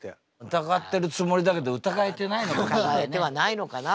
疑ってるつもりだけど疑えてないのかもしれないね。